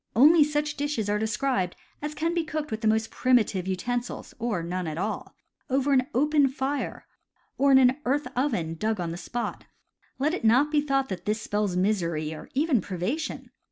Only such dishes are described as can be cooked with the most primitive utensils (or none at all) over an open fire, or in an earth oven dug on the spot. Let it not be thought that this spells misery, or even privation.